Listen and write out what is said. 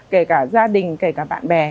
kể cả gia đình kể cả bạn bè